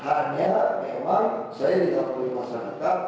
hanya memang saya yang menjaga masa dekat